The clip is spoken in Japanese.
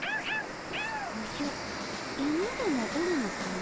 おじゃ犬でもおるのかの？